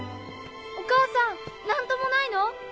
お母さん何ともないの？